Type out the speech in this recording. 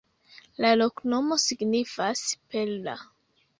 La loknomo signifas: perla.